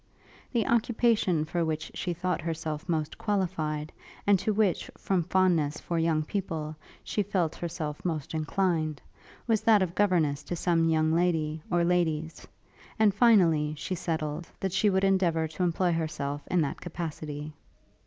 The occupation for which she thought herself most qualified, and to which, from fondness for young people, she felt herself most inclined, was that of governess to some young lady, or ladies; and, finally, she settled, that she would endeavour to employ herself in that capacity.